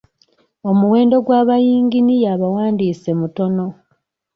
Omuwendo gwa bayinginiya abawandiise mutono.